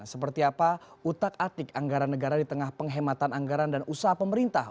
seperti apa utak atik anggaran negara di tengah penghematan anggaran dan usaha pemerintah